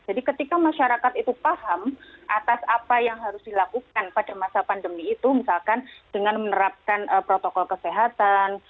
jadi ketika masyarakat itu paham atas apa yang harus dilakukan pada masa pandemi itu misalkan dengan menerapkan protokol kesehatan